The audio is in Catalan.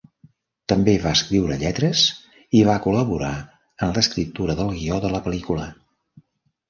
També va escriure lletres i va col·laborar en l'escriptura del guió de la pel·lícula.